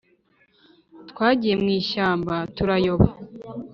twagiye mw’ishyamba turayoba